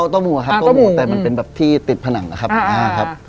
ต้องหมู่แต่มันเป็นแบบที่ติดผนังละครับ